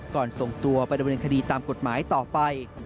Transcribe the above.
ก่อนส่งตัวไปดับในคดีตามกฎหมายต่อไป